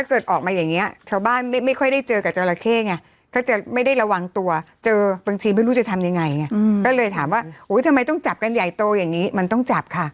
เขาเลยถามว่าโอ๊ยทำไมต้องจับกันใหญ่โตอย่างนี้มันต้องจับค่ะ